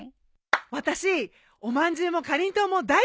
私おまんじゅうもかりんとうも大好きなんです！